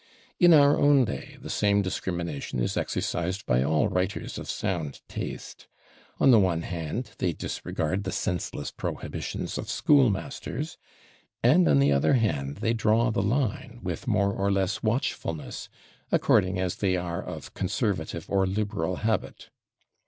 In our own day the same discrimination is exercised by all writers of sound taste. On the one hand they disregard the senseless prohibitions of school masters, and on the other hand they draw the line with more or less watchfulness, according as they are of conservative or liberal habit.